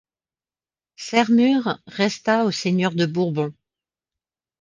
Sermur resta au Seigneur de Bourbon.